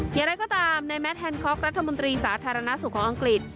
อย่างไรก็ตามในแมทแฮนคอกรัฐมนตรีสาธารณสุขของอังกฤษ